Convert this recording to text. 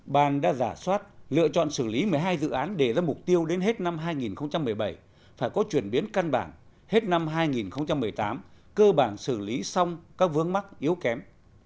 ban đã giả soát lựa chọn xử lý một mươi hai dự án đề ra mục tiêu đến hết năm hai nghìn một mươi bảy phải có chuyển biến căn bản hết năm hai nghìn một mươi tám cơ bản xử lý xong các vướng mắc yếu kém